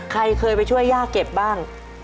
ใครเคยไปช่วยย่าเก็บบ้าง